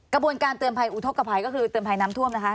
กระบวนการเตือนภัยอุทธกภัยก็คือเตือนภัยน้ำท่วมนะคะ